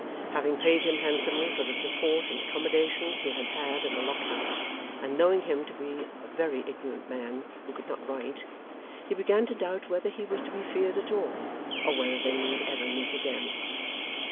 Having paid him handsomely for the support and accommodation he had had at the Lock House, and knowing him to be a very ignorant man who could not write, he began to doubt whether he was to be feared at all, or whether they need ever meet again.